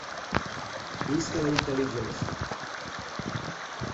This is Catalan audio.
Visca la intel·ligència!